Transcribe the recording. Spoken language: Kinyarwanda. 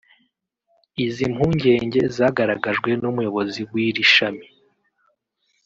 Izi mpungenge zagaragajwe n’Umuyobozi w’iri shami